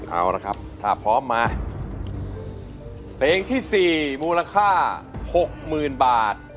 เอาละครับถ้าพร้อมมาเพลงที่สี่มูลค่าหกหมื่นบาท